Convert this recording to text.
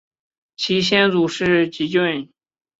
其先祖是汲郡。